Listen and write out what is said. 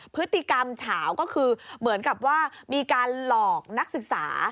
พฤติกรรมเฉาก็คือเหมือนกับว่ามีการหลอกนักศึกษา